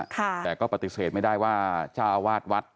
แต่ก็ปฏิเสธไม่ได้ว่าเจ้าอาวาสวัด